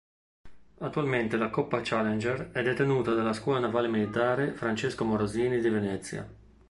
Attualmente la Coppa Challenger è detenuta dalla Scuola navale militare "Francesco Morosini" di Venezia.